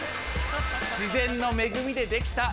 自然の恵みで出来た